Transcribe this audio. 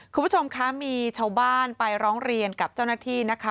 คุณผู้ชมคะมีชาวบ้านไปร้องเรียนกับเจ้าหน้าที่นะคะ